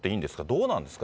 どうなんですか？